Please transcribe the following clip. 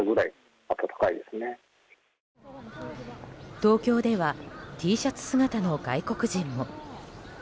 東京ではＴシャツ姿の外国人も。